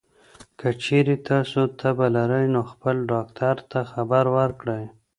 که چېرې تاسو تبه لرئ، نو خپل ډاکټر ته خبر ورکړئ.